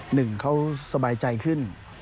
หนึ่งเขาสบายใจขึ้น